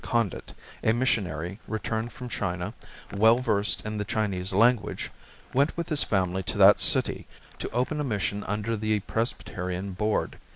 Condit, a missionary returned from China, well versed in the Chinese language, went with his family to that city to open a mission under the Presbyterian Board.